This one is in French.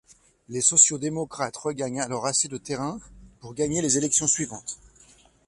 Les sociaux-démocrates regagnent alors assez de terrain pour gagner les élections suivantes.